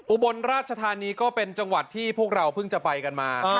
อุบลราชธานีก็เป็นจังหวัดที่พวกเราเพิ่งจะไปกันมา